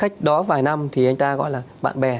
cách đó vài năm thì anh ta gọi là bạn bè